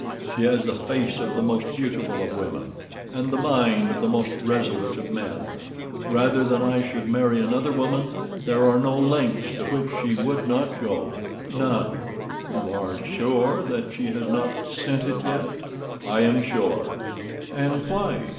She has the face of the most beautiful of women and the mind of the most resolute of men. Rather than I should marry another woman, there are no lengths to which she would not go—none." "You are sure she has not sent it yet?" "I am sure." "And why?"